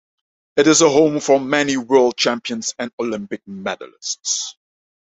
It is a home for many world champions and Olympic medalists.